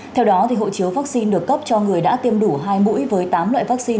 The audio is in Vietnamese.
theo đó hộ chiếu vaccine được cấp cho người đã tiêm đủ hai mũi với tám loại vaccine